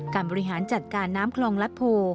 บริหารจัดการน้ำคลองรัฐโพ